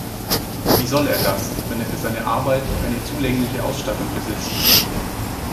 Wie soll er das, wenn er für seine Arbeit keine zulängliche Ausstattung besitzt?